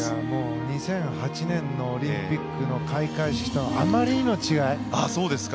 もう２００８年のオリンピックの開会式とあまりにも違う。